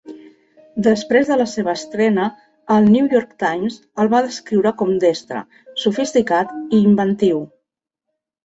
Després de la seva estrena, el New York Times el va descriure com destre, sofisticat i inventiu.